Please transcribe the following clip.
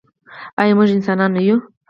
آیا موږ انسانان نه یو؟